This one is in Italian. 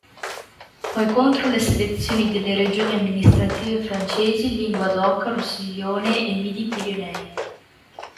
Poi contro le selezioni delle regioni amministrative francesi Linguadoca-Rossiglione e Midi-Pirenei.